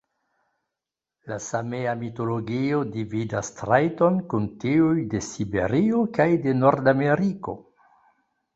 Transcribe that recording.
La Samea mitologio dividas trajtojn kun tiuj de Siberio kaj de Nordameriko.